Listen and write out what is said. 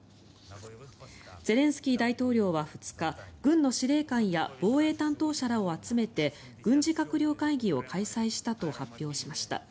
ゼレンスキー大統領は２日軍の司令官や防衛担当者らを集めて軍事閣僚会議を開催したと発表しました。